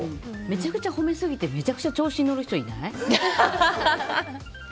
めちゃくちゃ褒めすぎてめちゃくちゃ調子に乗る人いない？